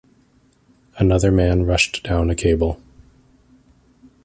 Another man rushed down a cable.